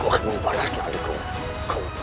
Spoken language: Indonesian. apakah kamu inom servantel kekuatan umbur